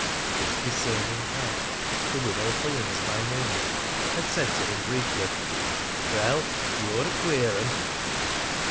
This discerning hag, the Widow Hullins by name, had said to him briefly, "Well, you're a queer 'un!"